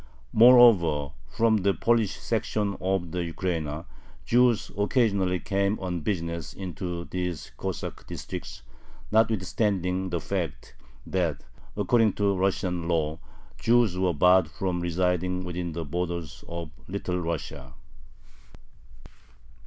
Moreover, from the Polish section of the Ukraina, Jews occasionally came on business into these Cossack districts, notwithstanding the fact that, according to Russian law, the Jews were barred from residing within the borders of Little Russia.